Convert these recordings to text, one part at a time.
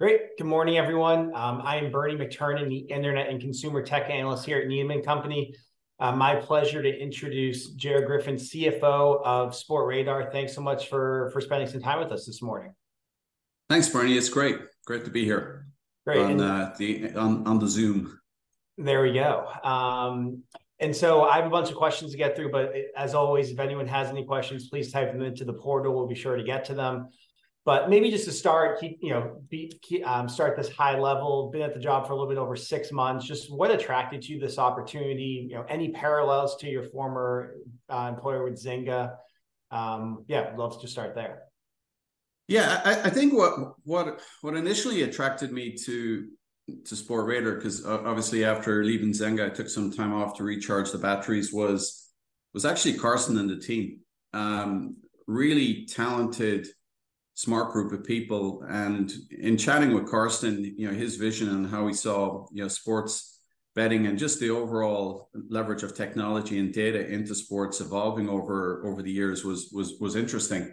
Great. Good morning, everyone. I am Bernie McTernan, the Internet and Consumer Tech Analyst here at Needham & Company. My pleasure to introduce Gerard Griffin, CFO of Sportradar. Thanks so much for spending some time with us this morning. Thanks, Bernie. It's great, great to be here- Great, and- on the Zoom. There we go. And so I have a bunch of questions to get through, but as always, if anyone has any questions, please type them into the portal. We'll be sure to get to them. But maybe just to start, keep, you know, start this high level. Been at the job for a little bit over six months, just what attracted you to this opportunity? You know, any parallels to your former employer with Zynga? Yeah, love to start there. Yeah, I think what initially attracted me to Sportradar, 'cause obviously, after leaving Zynga, I took some time off to recharge the batteries, was actually Carsten and the team. Really talented, smart group of people, and in chatting with Carsten, you know, his vision and how he saw, you know, sports betting and just the overall leverage of technology and data into sports evolving over the years was interesting.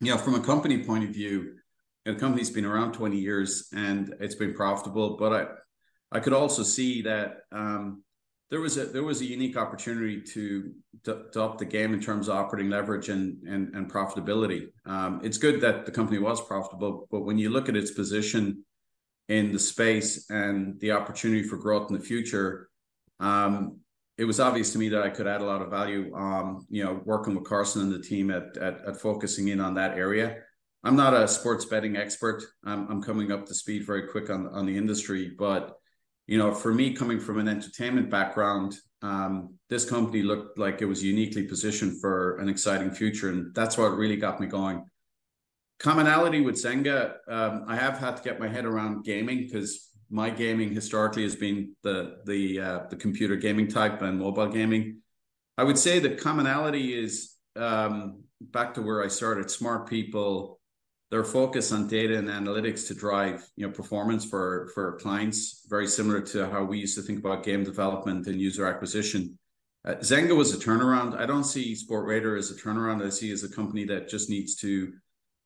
You know, from a company point of view, the company's been around 20 years, and it's been profitable, but I could also see that, there was a unique opportunity to up the game in terms of operating leverage and profitability. It's good that the company was profitable, but when you look at its position in the space and the opportunity for growth in the future, it was obvious to me that I could add a lot of value, you know, working with Carsten and the team at focusing in on that area. I'm not a sports betting expert. I'm coming up to speed very quick on the industry but, you know, for me, coming from an entertainment background, this company looked like it was uniquely positioned for an exciting future, and that's what really got me going. Commonality with Zynga, I have had to get my head around gaming, 'cause my gaming historically has been the computer gaming type and mobile gaming. I would say the commonality is, back to where I started: smart people. They're focused on data and analytics to drive, you know, performance for clients, very similar to how we used to think about game development and user acquisition. Zynga was a turnaround. I don't see Sportradar as a turnaround. I see it as a company that just needs to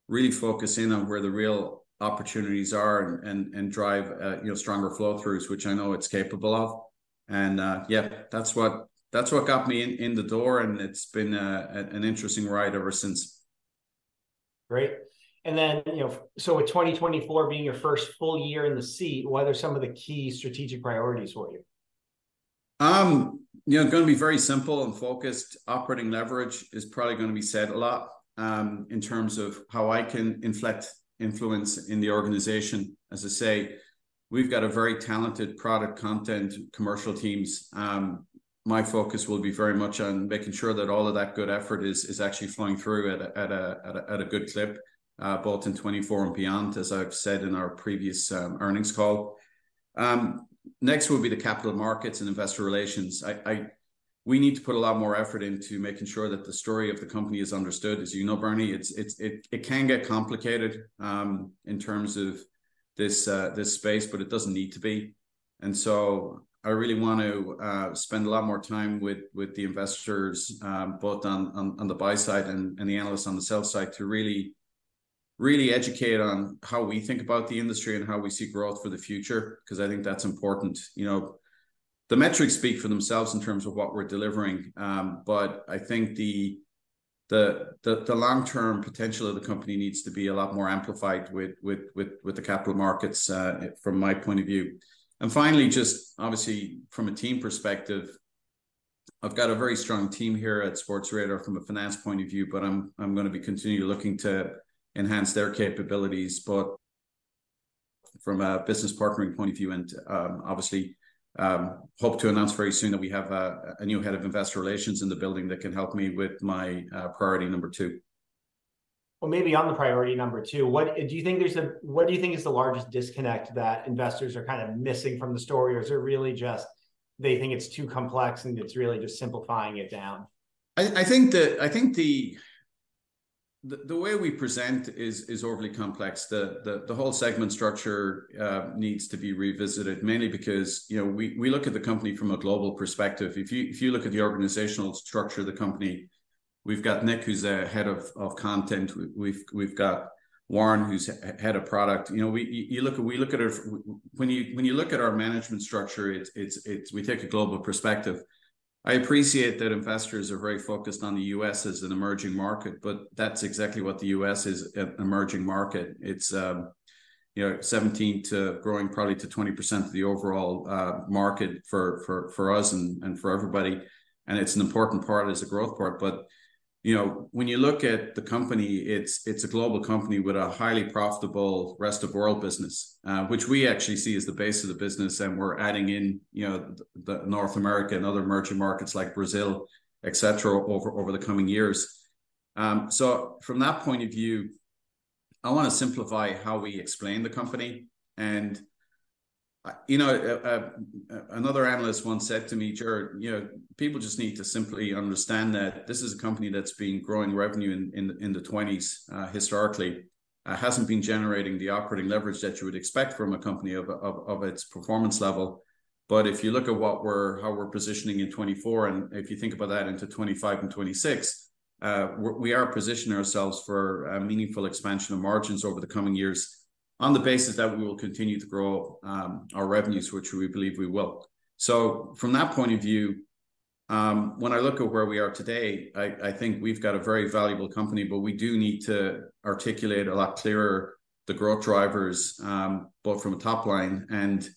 really focus in on where the real opportunities are and drive, you know, stronger flow-throughs, which I know it's capable of. Yeah, that's what got me in the door, and it's been an interesting ride ever since. Great. And then, you know, so with 2024 being your first full year in the seat, what are some of the key strategic priorities for you? You know, gonna be very simple and focused. Operating leverage is probably gonna be said a lot in terms of how I can inflect influence in the organization. As I say, we've got a very talented product, content, commercial teams. My focus will be very much on making sure that all of that good effort is actually flowing through at a good clip both in 2024 and beyond, as I've said in our previous earnings call. Next will be the capital markets and investor relations. We need to put a lot more effort into making sure that the story of the company is understood. As you know, Bernie, it can get complicated in terms of this space, but it doesn't need to be. And so I really want to spend a lot more time with the investors, both on the buy side and the analysts on the sell side, to really educate on how we think about the industry and how we see growth for the future, 'cause I think that's important. You know, the metrics speak for themselves in terms of what we're delivering, but I think the long-term potential of the company needs to be a lot more amplified with the capital markets, from my point of view. And finally, just obviously from a team perspective, I've got a very strong team here at Sportradar from a finance point of view, but I'm gonna be continually looking to enhance their capabilities, both from a business partnering point of view and, obviously, hope to announce very soon that we have a new head of investor relations in the building that can help me with my priority number two. Well, maybe on the priority number two, what do you think is the largest disconnect that investors are kind of missing from the story, or is it really just they think it's too complex, and it's really just simplifying it down? I think the way we present is overly complex. The whole segment structure needs to be revisited, mainly because, you know, we look at the company from a global perspective. If you look at the organizational structure of the company, we've got Nick, who's our head of content. We've got Warren, who's head of product. You know, when you look at our management structure, it's... We take a global perspective. I appreciate that investors are very focused on the U.S. as an emerging market, but that's exactly what the U.S. is, an emerging market. It's, you know, 17 to growing probably to 20% of the overall market for us and for everybody, and it's an important part. It's a growth part. But, you know, when you look at the company, it's a global company with a highly profitable rest-of-world business, which we actually see as the base of the business, and we're adding in, you know, the North America and other emerging markets like Brazil, et cetera, over the coming years. So from that point of view, I want to simplify how we explain the company. You know, another analyst once said to me, "Gerard, you know, people just need to simply understand that this is a company that's been growing revenue in the 20s, historically, hasn't been generating the operating leverage that you would expect from a company of its performance level—but if you look at how we're positioning in 2024, and if you think about that into 2025 and 2026, we are positioning ourselves for a meaningful expansion of margins over the coming years on the basis that we will continue to grow our revenues, which we believe we will. So from that point of view, when I look at where we are today, I, I think we've got a very valuable company, but we do need to articulate a lot clearer the growth drivers, both from a top line and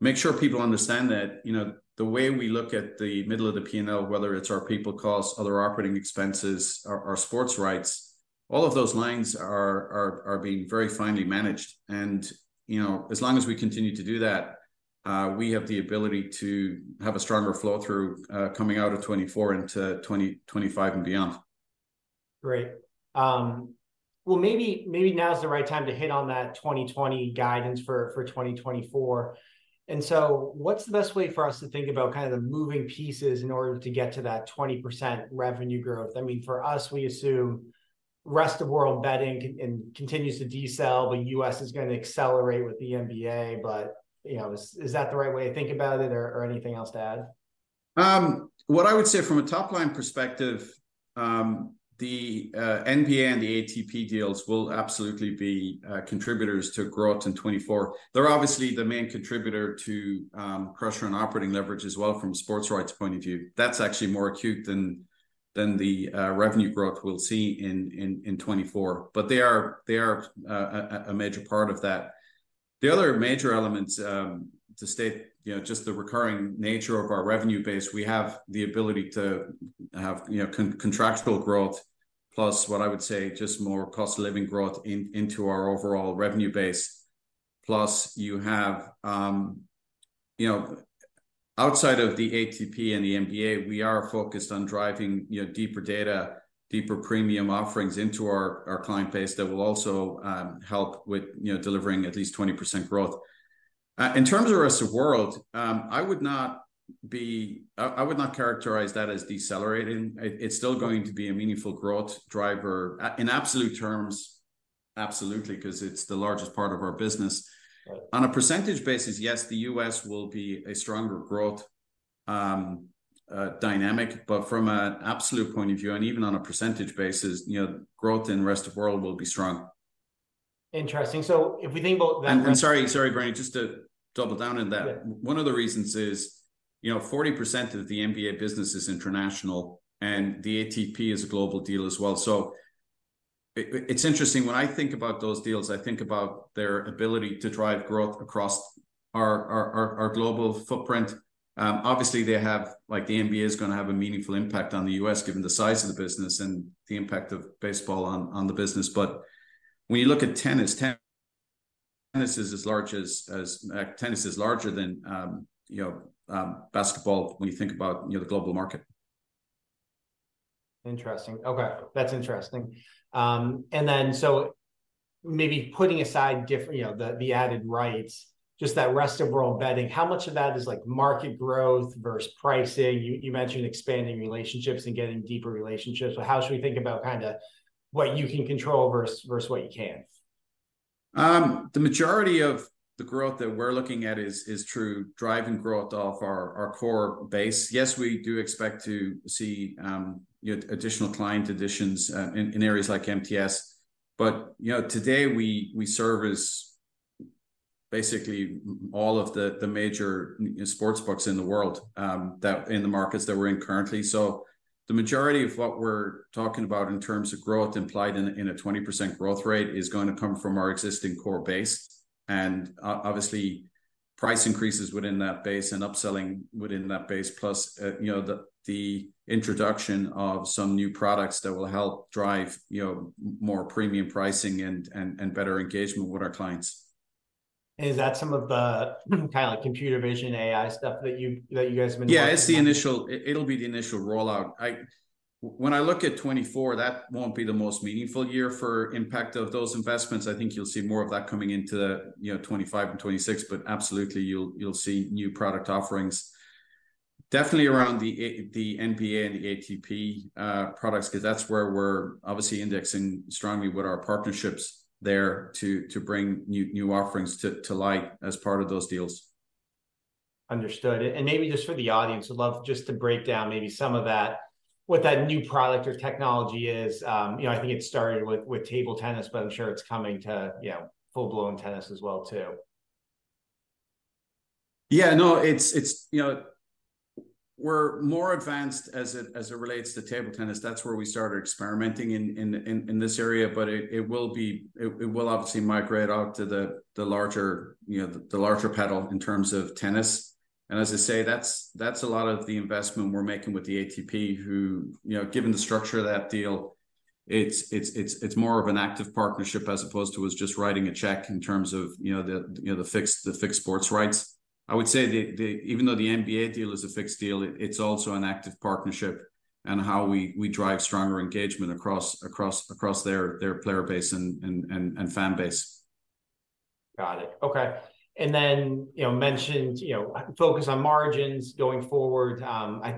make sure people understand that, you know, the way we look at the middle of the P&L, whether it's our people costs, other operating expenses, our, our sports rights, all of those lines are, are, are being very finely managed. And, you know, as long as we continue to do that, we have the ability to have a stronger flow-through, coming out of 2024 into 2025 and beyond. Great. Well, maybe, maybe now is the right time to hit on that 2024 guidance. So what's the best way for us to think about kind of the moving pieces in order to get to that 20% revenue growth? I mean, for us, we assume rest of world betting continues to decel, but U.S. is going to accelerate with the NBA. But, you know, is that the right way to think about it or anything else to add? What I would say from a top-line perspective, the NBA and the ATP deals will absolutely be contributors to growth in 2024. They're obviously the main contributor to pressure on operating leverage as well from a Sports Rights point of view. That's actually more acute than the revenue growth we'll see in 2024, but they are a major part of that. The other major elements to state, you know, just the recurring nature of our revenue base, we have the ability to have, you know, contractual growth, plus what I would say just more cost-of-living growth into our overall revenue base. Plus, you have... You know, outside of the ATP and the NBA, we are focused on driving, you know, deeper data, deeper premium offerings into our, our client base that will also help with, you know, delivering at least 20% growth. In terms of the rest of world, I would not characterize that as decelerating. It, it's still going to be a meaningful growth driver, in absolute terms, absolutely, 'cause it's the largest part of our business. Right. On a percentage basis, yes, the U.S. will be a stronger growth dynamic, but from an absolute point of view, and even on a percentage basis, you know, growth in rest of world will be strong. Interesting. So if we think about that- Sorry, Brian, just to double down on that. Yeah. One of the reasons is, you know, 40% of the NBA business is international, and the ATP is a global deal as well. So it, it's interesting, when I think about those deals, I think about their ability to drive growth across our global footprint. Obviously, they have- like, the NBA is going to have a meaningful impact on the U.S., given the size of the business and the impact of baseball on the business. But when you look at tennis, tennis is as large as, as tennis is larger than, you know, basketball when you think about, you know, the global market. Interesting. Okay, that's interesting. And then, so maybe putting aside different- you know, the added rights, just that rest of world betting, how much of that is, like, market growth versus pricing? You mentioned expanding relationships and getting deeper relationships. So how should we think about kind of what you can control versus what you can't? The majority of the growth that we're looking at is through driving growth off our core base. Yes, we do expect to see, you know, additional client additions in areas like MTS, but, you know, today we service basically all of the major sportsbooks in the world in the markets that we're in currently. So the majority of what we're talking about in terms of growth implied in a 20% growth rate is going to come from our existing core base, and obviously, price increases within that base and upselling within that base, plus, you know, the introduction of some new products that will help drive, you know, more premium pricing and better engagement with our clients. Is that some of the kind of computer vision, AI stuff that you guys have been- Yeah, it's the initial rollout. When I look at 2024, that won't be the most meaningful year for impact of those investments. I think you'll see more of that coming into, you know, 2025 and 2026, but absolutely, you'll see new product offerings definitely around the NBA and the ATP products, 'cause that's where we're obviously indexing strongly with our partnerships there to bring new offerings to light as part of those deals. Understood. And maybe just for the audience, I'd love just to break down maybe some of that, what that new product or technology is. You know, I think it started with table tennis, but I'm sure it's coming to, you know, full-blown tennis as well too. Yeah, no, it's, you know, we're more advanced as it relates to table tennis. That's where we started experimenting in this area, but it will obviously migrate out to the larger, you know, the larger paddle in terms of tennis. And as I say, that's a lot of the investment we're making with the ATP, who, you know, given the structure of that deal, it's more of an active partnership as opposed to us just writing a check in terms of, you know, the fixed sports rights. I would say the even though the NBA deal is a fixed deal, it's also an active partnership on how we drive stronger engagement across their player base and fan base. Got it. Okay. And then, you know, mentioned, you know, focus on margins going forward.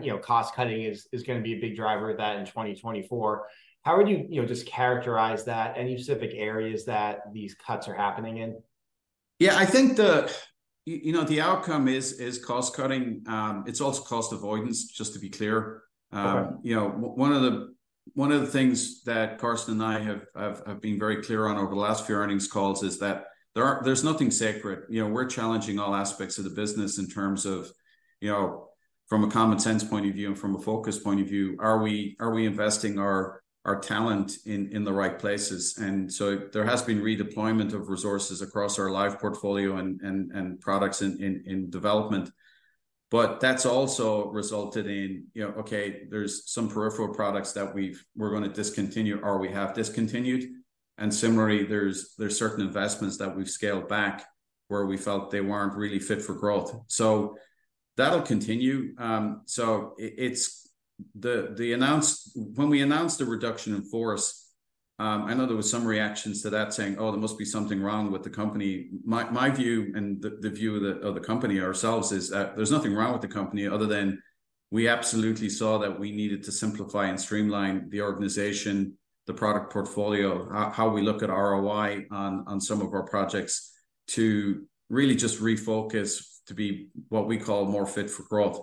You know, cost cutting is going to be a big driver of that in 2024. How would you, you know, just characterize that? Any specific areas that these cuts are happening in? Yeah, I think the, you know, the outcome is cost-cutting. It's also cost avoidance, just to be clear. Okay. You know, one of the things that Carsten and I have been very clear on over the last few earnings calls is that there's nothing sacred. You know, we're challenging all aspects of the business in terms of, you know, from a common sense point of view and from a focus point of view, are we investing our talent in the right places? And so there has been redeployment of resources across our live portfolio and products in development. But that's also resulted in, you know, okay, there's some peripheral products that we're gonna discontinue or we have discontinued. And similarly, there's certain investments that we've scaled back where we felt they weren't really fit for growth. So that'll continue. So, it's when we announced the reduction in force, I know there was some reactions to that, saying, "Oh, there must be something wrong with the company." My view and the view of the company ourselves is that there's nothing wrong with the company other than we absolutely saw that we needed to simplify and streamline the organization, the product portfolio, how we look at ROI on some of our projects, to really just refocus to be what we call more fit for growth.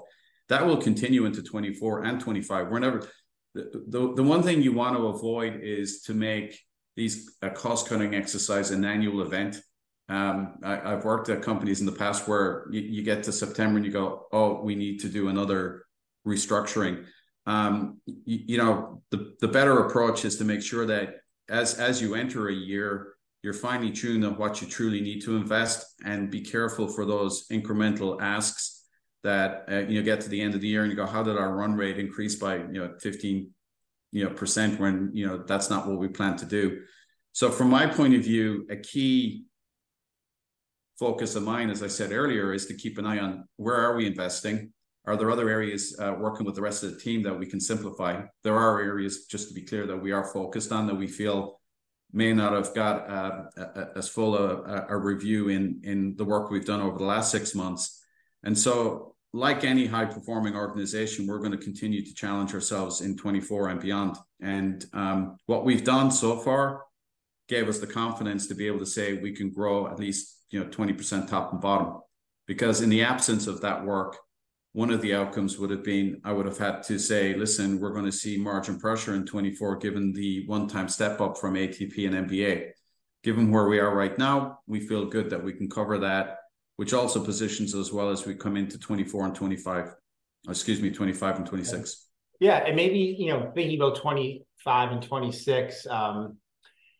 That will continue into 2024 and 2025. We're never... The one thing you want to avoid is to make these a cost-cutting exercise an annual event. I've worked at companies in the past where you get to September and you go, "Oh, we need to do another restructuring." You know, the better approach is to make sure that as you enter a year, you're finely tuning of what you truly need to invest and be careful for those incremental asks that, you know, get to the end of the year and you go, "How did our run rate increase by, you know, 15% when, you know, that's not what we planned to do?" So from my point of view, a key focus of mine, as I said earlier, is to keep an eye on where are we investing? Are there other areas, working with the rest of the team that we can simplify? There are areas, just to be clear, that we are focused on that we feel may not have got as full a review in the work we've done over the last six months. And so, like any high-performing organization, we're gonna continue to challenge ourselves in 2024 and beyond. And, what we've done so far gave us the confidence to be able to say we can grow at least, you know, 20% top to bottom. Because in the absence of that work, one of the outcomes would've been I would've had to say, "Listen, we're gonna see margin pressure in 2024, given the one-time step up from ATP and NBA." Given where we are right now, we feel good that we can cover that, which also positions us well as we come into 2024 and 2025, excuse me, 2025 and 2026. Yeah. And maybe, you know, thinking about 2025 and 2026, I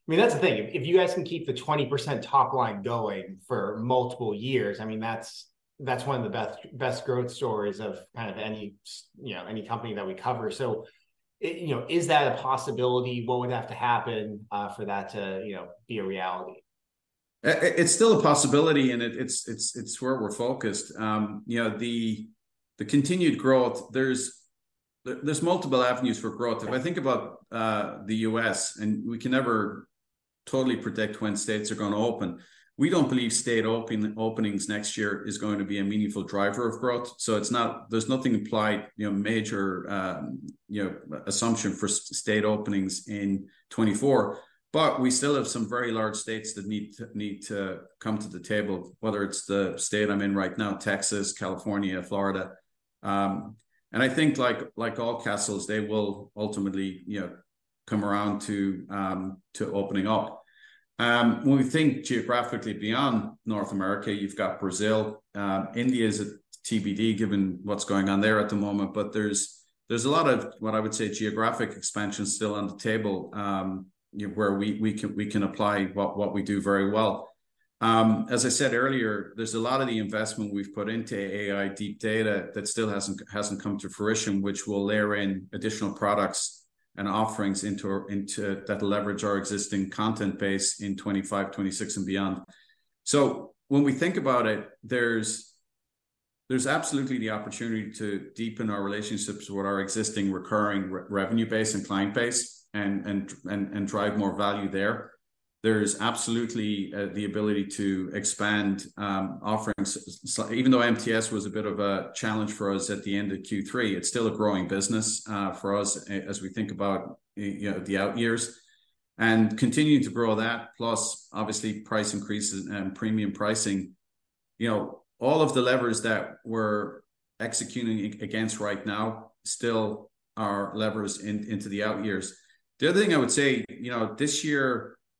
mean, that's the thing: If you guys can keep the 20% top line going for multiple years, I mean, that's, that's one of the best, best growth stories of kind of any you know, any company that we cover. So you know, is that a possibility? What would have to happen, for that to, you know, be a reality? It's still a possibility, and it's where we're focused. You know, the continued growth, there's multiple avenues for growth. Yeah. If I think about the U.S., and we can never totally predict when states are gonna open, we don't believe state openings next year is going to be a meaningful driver of growth. So it's not—there's nothing implied, you know, major, you know, assumption for state openings in 2024. But we still have some very large states that need to come to the table, whether it's the state I'm in right now, Texas, California, Florida. And I think, like, like all castles, they will ultimately, you know, come around to opening up. When we think geographically beyond North America, you've got Brazil. India is a TBD, given what's going on there at the moment. But there's a lot of, what I would say, geographic expansion still on the table, you know, where we can apply what we do very well. As I said earlier, there's a lot of the investment we've put into AI deep data that still hasn't come to fruition, which we'll layer in additional products and offerings that leverage our existing content base in 2025, 2026, and beyond. So when we think about it, there's absolutely the opportunity to deepen our relationships with our existing recurring revenue base and client base and drive more value there. There's absolutely the ability to expand offerings. Even though MTS was a bit of a challenge for us at the end of Q3, it's still a growing business for us as we think about, you know, the out years, and continuing to grow that, plus, obviously, price increases and premium pricing. You know, all of the levers that we're executing against right now still are levers into the out years. The other thing I would say, you know, this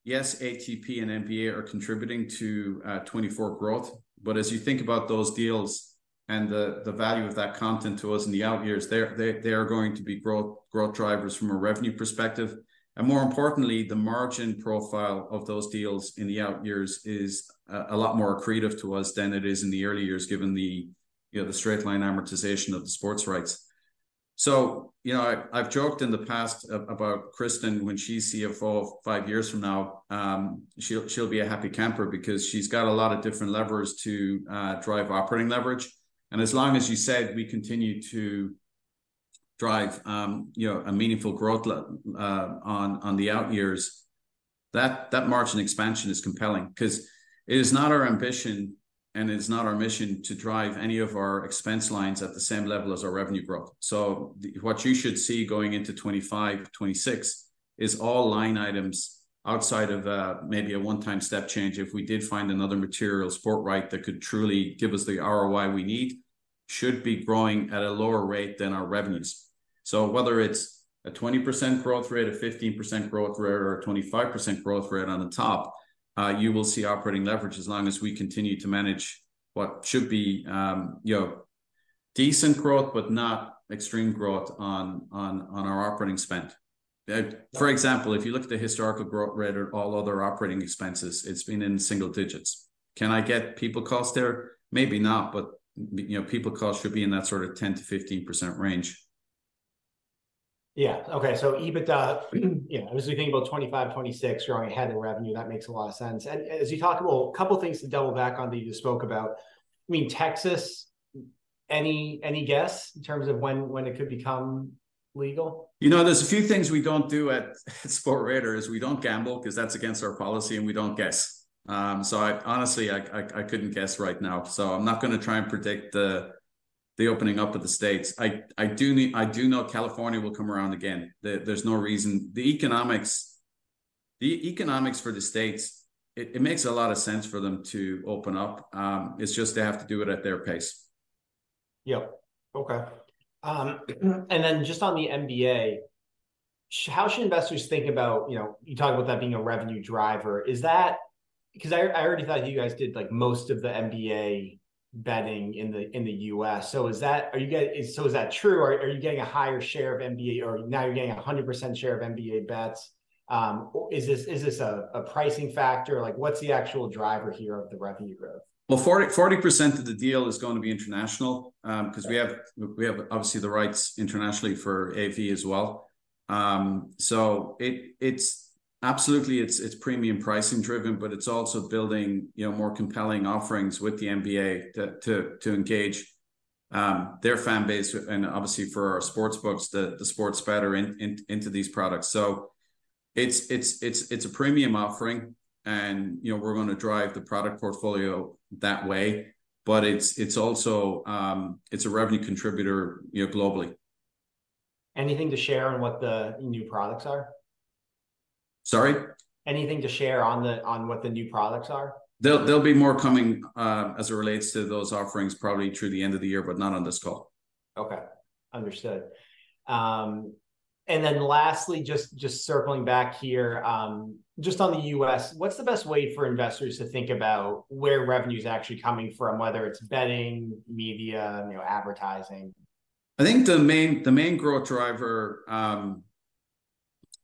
year, yes, ATP and NBA are contributing to 2024 growth, but as you think about those deals and the value of that content to us in the out years, they're, they, they are going to be growth, growth drivers from a revenue perspective. And more importantly, the margin profile of those deals in the out years is a lot more accretive to us than it is in the early years, given the, you know, the straight line amortization of the sports rights. So, you know, I, I've joked in the past about Kristen, when she's CFO five years from now, she'll, she'll be a happy camper because she's got a lot of different levers to drive operating leverage. And as long as, you said, we continue to drive, you know, a meaningful growth on, on the out years, that, that margin expansion is compelling. 'Cause it is not our ambition and it's not our mission to drive any of our expense lines at the same level as our revenue growth. So what you should see going into 2025, 2026 is all line items outside of maybe a one-time step change if we did find another materials Sportradar that could truly give us the ROI we need, should be growing at a lower rate than our revenues. So whether it's a 20% growth rate, a 15% growth rate, or a 25% growth rate on the top, you will see operating leverage as long as we continue to manage what should be, you know, decent growth, but not extreme growth on our operating spend. For example, if you look at the historical growth rate of all other operating expenses, it's been in single digits. Can I get people cost there? Maybe not, but, you know, people cost should be in that sort of 10%-15% range. Yeah. Okay. So EBITDA, you know, I was thinking about 2025, 2026 growing ahead in revenue, that makes a lot of sense. And as you talk... Well, a couple of things to double back on that you spoke about. I mean, Texas, any, any guess in terms of when, when it could become legal? You know, there's a few things we don't do at Sportradar: we don't gamble, 'cause that's against our policy, and we don't guess. So I honestly couldn't guess right now. So I'm not gonna try and predict the opening up of the States. I do know California will come around again. There's no reason. The economics for the States make a lot of sense for them to open up. It's just they have to do it at their pace. Yep. Okay. And then just on the NBA, how should investors think about, you know, you talked about that being a revenue driver. Is that—'cause I already thought you guys did, like, most of the NBA betting in the, in the U.S. So is that—are you—so is that true, or are you getting a higher share of NBA, or now you're getting a 100% share of NBA bets? Is this a pricing factor? Like, what's the actual driver here of the revenue growth? Well, 40% of the deal is going to be international, 'cause we have obviously the rights internationally for NBA as well. So it's absolutely, it's premium pricing driven, but it's also building, you know, more compelling offerings with the NBA to engage their fan base, and obviously for our sportsbooks, the sports bettor into these products. So it's a premium offering, and, you know, we're going to drive the product portfolio that way, but it's also, it's a revenue contributor, you know, globally. Anything to share on what the new products are? Sorry? Anything to share on what the new products are? There'll be more coming, as it relates to those offerings, probably through the end of the year, but not on this call. Okay. Understood. And then lastly, just circling back here, just on the U.S., what's the best way for investors to think about where revenue is actually coming from, whether it's betting, media, you know, advertising? I think the main growth driver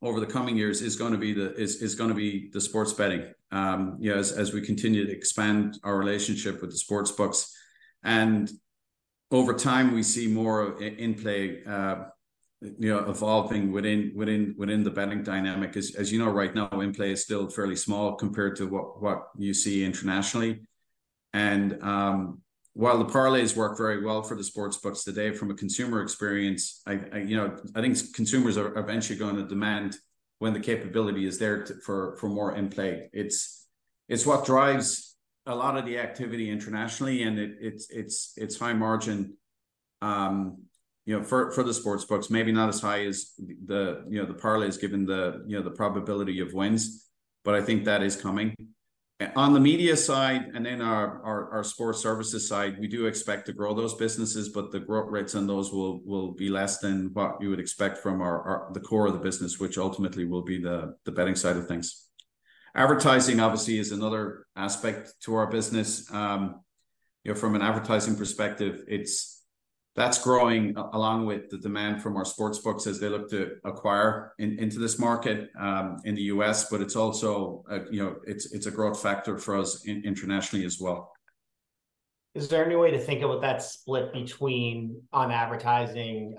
over the coming years is gonna be the sports betting. You know, as we continue to expand our relationship with the sportsbooks. And over time, we see more in-play evolving within the betting dynamic. As you know, right now, in-play is still fairly small compared to what you see internationally. And while the parlays work very well for the sportsbooks today from a consumer experience, you know, I think consumers are eventually going to demand when the capability is there for more in-play. It's what drives a lot of the activity internationally, and it's high margin, you know, for the sportsbooks, maybe not as high as the, you know, the parlays, given the, you know, the probability of wins, but I think that is coming. On the media side and then our sports services side, we do expect to grow those businesses, but the growth rates on those will be less than what you would expect from our the core of the business, which ultimately will be the betting side of things. Advertising, obviously, is another aspect to our business. You know, from an advertising perspective, that's growing along with the demand from our sportsbooks as they look to acquire into this market, in the U.S., but it's also, you know, it's a growth factor for us internationally as well. Is there any way to think about that split between on advertising,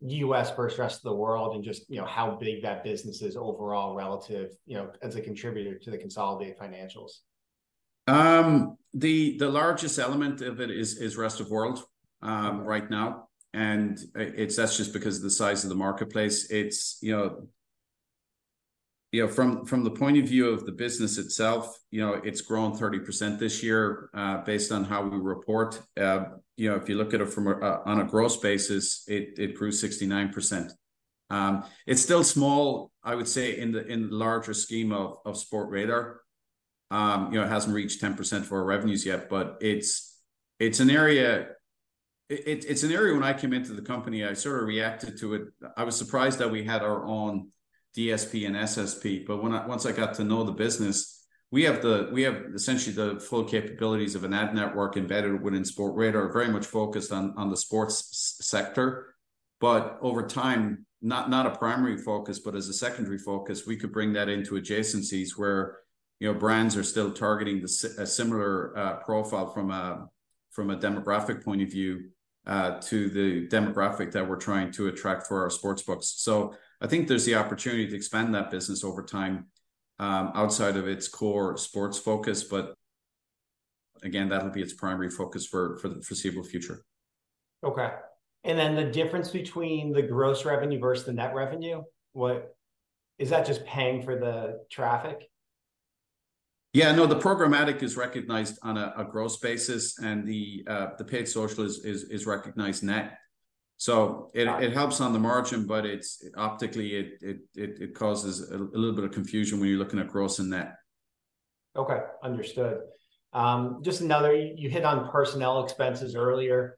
U.S. versus rest of the world and just, you know, how big that business is overall relative, you know, as a contributor to the consolidated financials? The largest element of it is rest of world right now, and that's just because of the size of the marketplace. You know, from the point of view of the business itself, you know, it's grown 30% this year, based on how we report. You know, if you look at it from a on a growth basis, it grew 69%. It's still small, I would say, in the larger scheme of Sportradar. You know, it hasn't reached 10% for our revenues yet, but it's an area - it's an area when I came into the company, I sort of reacted to it. I was surprised that we had our own DSP and SSP, but when once I got to know the business, we have essentially the full capabilities of an ad network embedded within Sportradar, very much focused on the sports sector. But over time, not a primary focus, but as a secondary focus, we could bring that into adjacencies where, you know, brands are still targeting a similar profile from a, from a demographic point of view to the demographic that we're trying to attract for our sportsbooks. So I think there's the opportunity to expand that business over time, outside of its core sports focus, but again, that'll be its primary focus for the foreseeable future. Okay, and then the difference between the gross revenue versus the net revenue, what is that just paying for the traffic? Yeah, no, the programmatic is recognized on a gross basis, and the paid social is recognized net. So it helps on the margin, but it's optically it causes a little bit of confusion when you're looking at gross and net. Okay, understood. Just another, you hit on personnel expenses earlier.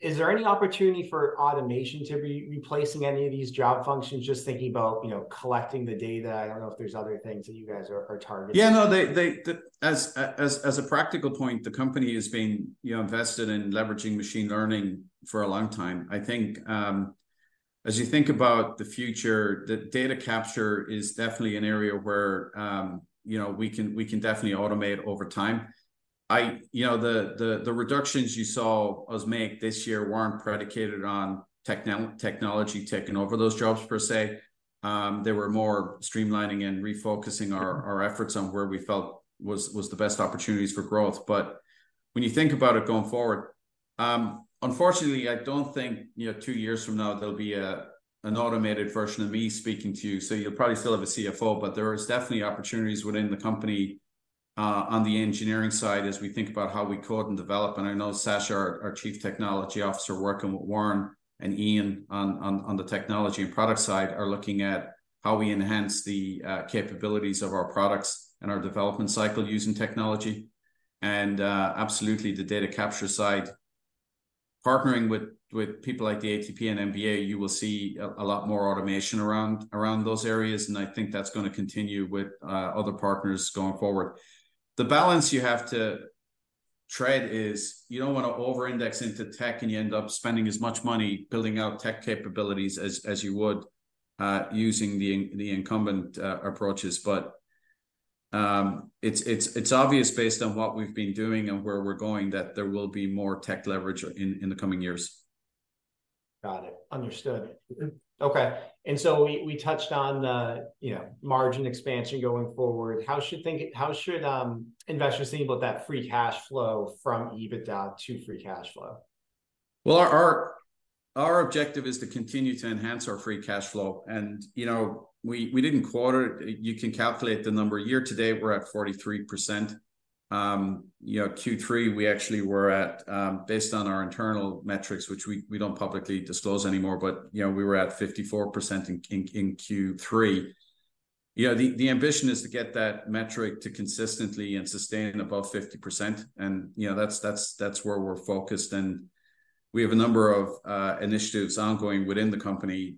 Is there any opportunity for automation to be replacing any of these job functions? Just thinking about, you know, collecting the data. I don't know if there's other things that you guys are targeting. Yeah, no, as a practical point, the company has been, you know, invested in leveraging machine learning for a long time. I think, as you think about the future, the data capture is definitely an area where, you know, we can definitely automate over time. I, you know, the reductions you saw us make this year weren't predicated on technology taking over those jobs per se. They were more streamlining and refocusing our efforts on where we felt was the best opportunities for growth. But when you think about it going forward, unfortunately, I don't think, you know, two years from now there'll be an automated version of me speaking to you. So you'll probably still have a CFO, but there is definitely opportunities within the company, on the engineering side as we think about how we code and develop. And I know Sasha, our Chief Technology Officer, working with Warren and Ian on the technology and product side, are looking at how we enhance the capabilities of our products and our development cycle using technology and absolutely the data capture side. Partnering with people like the ATP and NBA, you will see a lot more automation around those areas, and I think that's gonna continue with other partners going forward. The balance you have to tread is you don't wanna over-index into tech, and you end up spending as much money building out tech capabilities as you would using the incumbent approaches. But, it's obvious, based on what we've been doing and where we're going, that there will be more tech leverage in the coming years. Got it. Understood. Mm-hmm. Okay, and so we touched on the, you know, margin expansion going forward. How should investors think about that free cash flow from EBITDA to free cash flow? Well, our objective is to continue to enhance our free cash flow. And, you know, we didn't quote it. You can calculate the number. Year to date, we're at 43%. You know, Q3, we actually were at, based on our internal metrics, which we don't publicly disclose anymore, but, you know, we were at 54% in Q3. You know, the ambition is to get that metric to consistently and sustain above 50%, and, you know, that's where we're focused, and we have a number of initiatives ongoing within the company,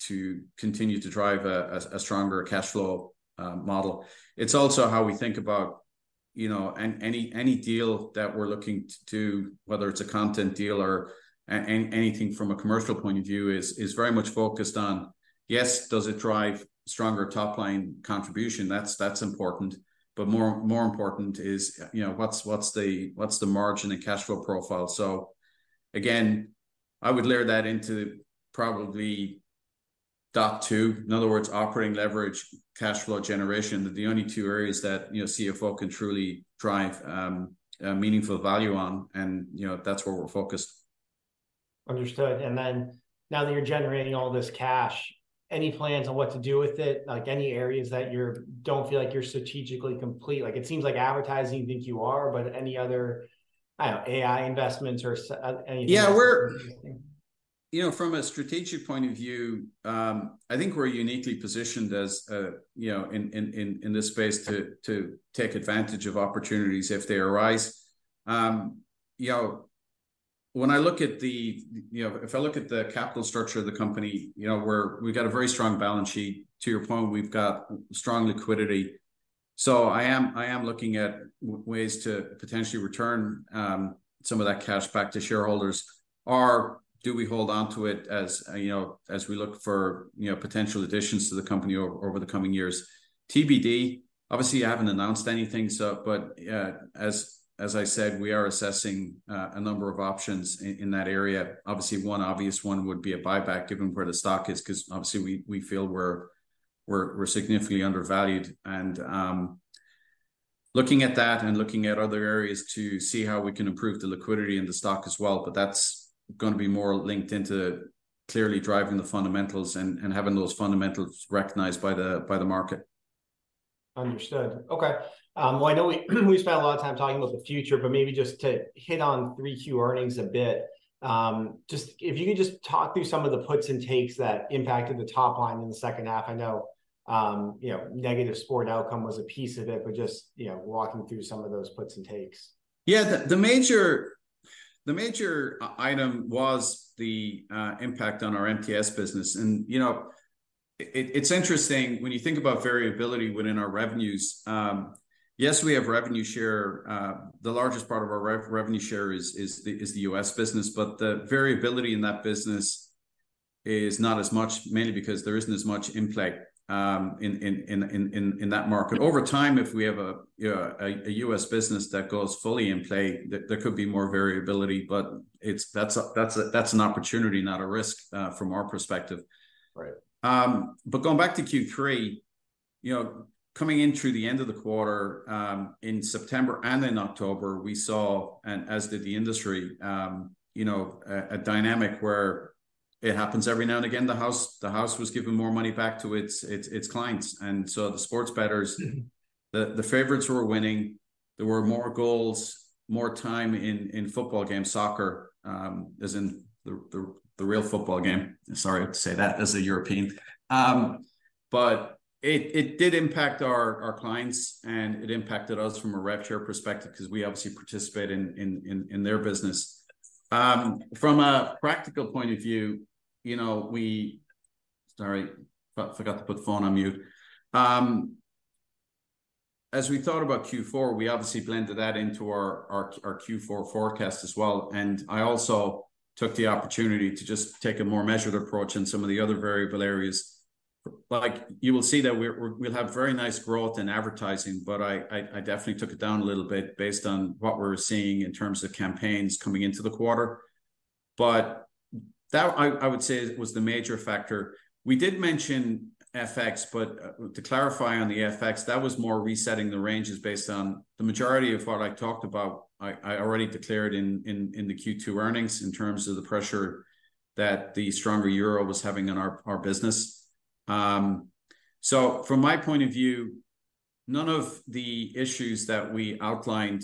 to continue to drive a stronger cash flow model. It's also how we think about, you know, any deal that we're looking to do, whether it's a content deal or anything from a commercial point of view, is very much focused on, yes, does it drive stronger top-line contribution? That's important, but more important is, you know, what's the margin and cash flow profile? So again, I would layer that into probably dot two. In other words, operating leverage, cash flow generation, that's the only two areas that, you know, CFO can truly drive a meaningful value on, and, you know, that's where we're focused. Understood, and then now that you're generating all this cash, any plans on what to do with it? Like, any areas that you don't feel like you're strategically complete? Like, it seems like advertising, you think you are, but any other, I don't know, AI investments or anything- Yeah, we're-... interesting. You know, from a strategic point of view, I think we're uniquely positioned as, you know, in this space to take advantage of opportunities if they arise. You know, when I look at the capital structure of the company, you know, we've got a very strong balance sheet. To your point, we've got strong liquidity. So I am looking at ways to potentially return some of that cash back to shareholders, or do we hold onto it, as, you know, as we look for, you know, potential additions to the company over the coming years? TBD, obviously, I haven't announced anything so, but, as I said, we are assessing a number of options in that area. Obviously, one obvious one would be a buyback, given where the stock is, 'cause obviously we feel we're significantly undervalued. And looking at that and looking at other areas to see how we can improve the liquidity in the stock as well, but that's gonna be more linked into clearly driving the fundamentals and having those fundamentals recognized by the market. Understood. Okay. Well, I know we, we've spent a lot of time talking about the future, but maybe just to hit on Q3 earnings a bit, if you could just talk through some of the puts and takes that impacted the top line in the second half. I know, you know, negative sport outcome was a piece of it, but just, you know, walking through some of those puts and takes. Yeah. The major item was the impact on our MTS business. You know, it's interesting when you think about variability within our revenues. Yes, we have revenue share. The largest part of our revenue share is the U.S. business, but the variability in that business is not as much, mainly because there isn't as much in play in that market. Over time, if we have a U.S. business that goes fully in play, there could be more variability, but that's an opportunity, not a risk from our perspective. Right. But going back to Q3, you know, coming in through the end of the quarter, in September and in October, we saw, and as did the industry, you know, a dynamic where it happens every now and again, the house was giving more money back to its clients. And so the sports bettors- Mm-hmm. The favorites were winning. There were more goals, more time in football games, soccer, as in the real football game. Sorry to say that as a European. But it did impact our clients, and it impacted us from a rev share perspective because we obviously participate in their business. From a practical point of view, you know, we— Sorry, forgot to put phone on mute. As we thought about Q4, we obviously blended that into our Q4 forecast as well, and I also took the opportunity to just take a more measured approach in some of the other variable areas. Like, you will see that we're- we'll have very nice growth in advertising, but I definitely took it down a little bit based on what we're seeing in terms of campaigns coming into the quarter. But that, I would say was the major factor. We did mention FX, but to clarify on the FX, that was more resetting the ranges based on the majority of what I talked about. I already declared in the Q2 earnings in terms of the pressure that the stronger euro was having on our business. So from my point of view, none of the issues that we outlined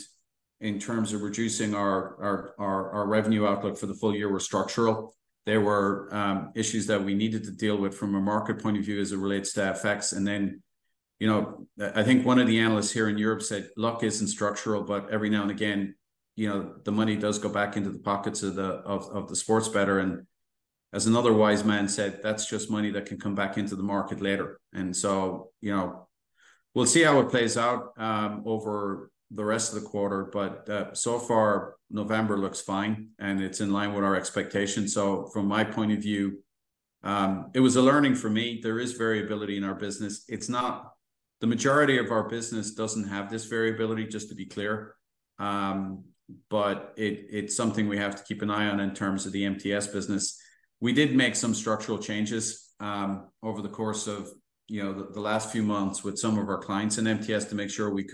in terms of reducing our revenue outlook for the full year were structural. They were issues that we needed to deal with from a market point of view as it relates to FX. And then, you know, I think one of the analysts here in Europe said, "Luck isn't structural, but every now and again, you know, the money does go back into the pockets of the sports bettor." And as another wise man said, "That's just money that can come back into the market later." And so, you know, we'll see how it plays out over the rest of the quarter. But so far, November looks fine, and it's in line with our expectations. So from my point of view, it was a learning for me. There is variability in our business. It's not the majority of our business doesn't have this variability, just to be clear. But it, it's something we have to keep an eye on in terms of the MTS business. We did make some structural changes over the course of, you know, the last few months with some of our clients in MTS to make sure we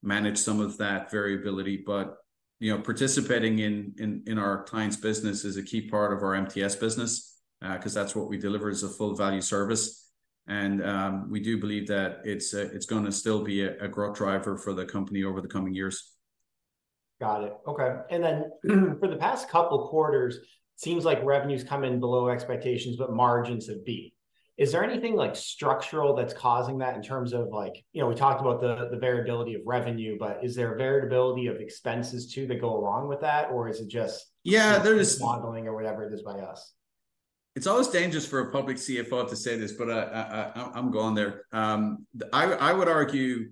could manage some of that variability. But, you know, participating in our clients' business is a key part of our MTS business, 'cause that's what we deliver is a full value service. And, we do believe that it's gonna still be a growth driver for the company over the coming years. Got it. Okay, and then for the past couple quarters, seems like revenues come in below expectations, but margins have beat. Is there anything, like, structural that's causing that in terms of, like, you know, we talked about the variability of revenue, but is there a variability of expenses, too, that go along with that, or is it just- Yeah, there is- - modeling or whatever it is by us? It's always dangerous for a public CFO to say this, but I'm going there. I would argue,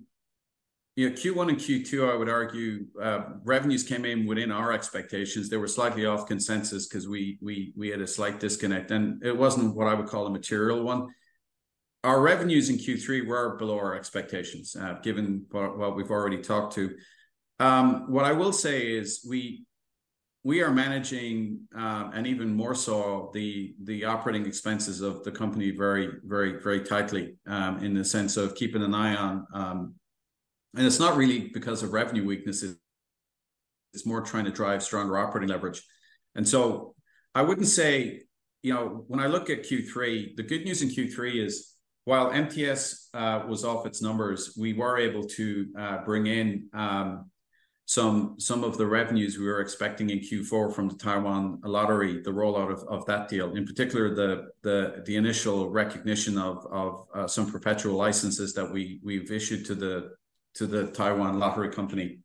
you know, Q1 and Q2, I would argue, revenues came in within our expectations. They were slightly off consensus 'cause we had a slight disconnect, and it wasn't what I would call a material one. Our revenues in Q3 were below our expectations, given what we've already talked to. What I will say is we are managing, and even more so, the operating expenses of the company very, very, very tightly, in the sense of keeping an eye on. And it's not really because of revenue weaknesses. It's more trying to drive stronger operating leverage. I wouldn't say—you know, when I look at Q3, the good news in Q3 is, while MTS was off its numbers, we were able to bring in some of the revenues we were expecting in Q4 from the Taiwan Lottery, the rollout of that deal, in particular, the initial recognition of some perpetual licenses that we've issued to the Taiwan Lottery Company.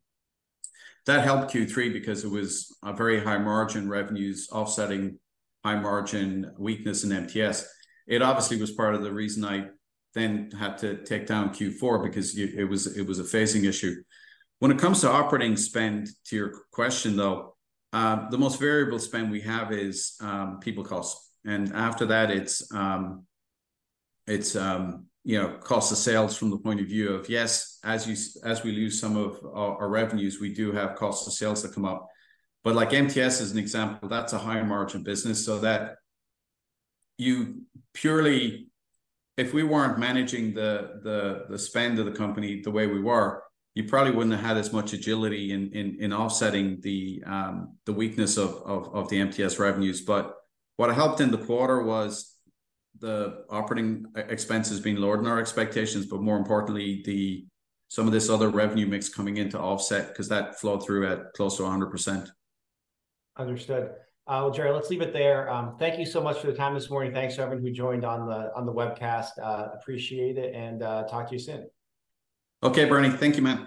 That helped Q3 because it was a very high-margin revenues offsetting high-margin weakness in MTS. It obviously was part of the reason I then had to take down Q4 because it was a phasing issue. When it comes to operating spend, to your question, though, the most variable spend we have is people cost, and after that, it's, you know, cost of sales from the point of view of, yes, as we lose some of our revenues, we do have cost of sales that come up. But like MTS as an example, that's a higher-margin business, so that you purely... If we weren't managing the spend of the company the way we were, you probably wouldn't have had as much agility in offsetting the weakness of the MTS revenues. But what helped in the quarter was the operating expenses being lower than our expectations, but more importantly, some of this other revenue mix coming in to offset 'cause that flowed through at close to 100%. Understood. Well, Gerard, let's leave it there. Thank you so much for the time this morning. Thanks to everyone who joined on the webcast. Appreciate it, and talk to you soon. Okay, Bernie. Thank you, man.